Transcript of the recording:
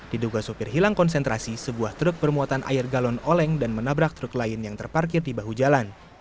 diduga sopir hilang konsentrasi sebuah truk bermuatan air galon oleng dan menabrak truk lain yang terparkir di bahu jalan